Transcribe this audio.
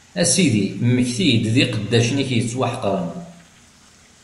A Sidi, mmekti-d d iqeddacen-ik yettwaḥeqren!